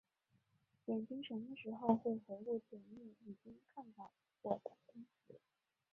眼睛什么时候会回顾前面已经看到过的单词？